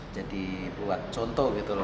jadi buat contoh gitu loh